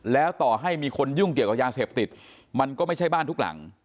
แล้วต่อให้มีคนยุ่งเกี่ยวกับยาเสพติดมันก็ไม่ใช่บ้านทุกหลัง